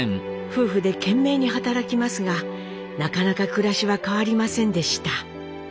夫婦で懸命に働きますがなかなか暮らしは変わりませんでした。